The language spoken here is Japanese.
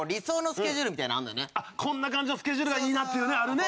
こんな感じのスケジュールがいいなっていうあれね。